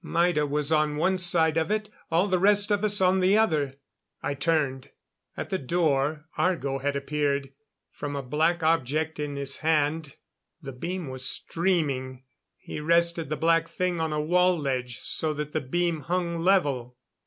Maida was on one side of it; all the rest of us, on the other. I turned. At the door, Argo had appeared. From a black object in his hand, the beam was streaming. He rested the black thing on a wall ledge so that the beam hung level.